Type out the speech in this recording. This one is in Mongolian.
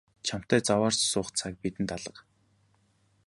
Чамтай заваарч суух цаг бидэнд алга.